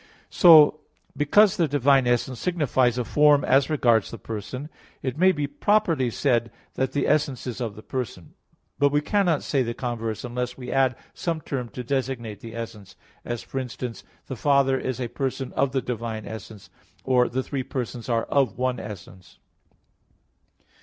So, because the divine essence signifies a form as regards the person, it may properly be said that the essence is of the person; but we cannot say the converse, unless we add some term to designate the essence; as, for instance, the Father is a person of the "divine essence"; or, the three persons are "of one essence."